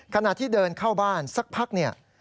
ขณะที่เดินเข้าบ้านสักพักเนี่ย